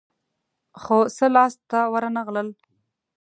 خو څه لاس ته ورنه غلل.